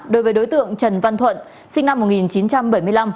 đối với đối tượng trần văn thuận sinh năm một nghìn chín trăm bảy mươi năm